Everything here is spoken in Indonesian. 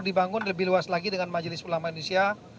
dibangun lebih luas lagi dengan majelis ulama indonesia